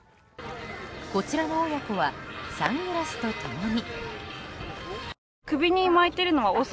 こちらの親子はサングラスと共に。